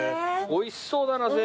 おいしそうだな全部。